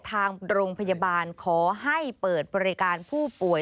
ทางโรงพยาบาลขอให้เปิดบริการผู้ป่วย